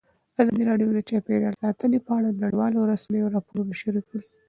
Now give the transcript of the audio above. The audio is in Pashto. ازادي راډیو د چاپیریال ساتنه په اړه د نړیوالو رسنیو راپورونه شریک کړي.